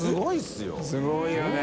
すごいよね。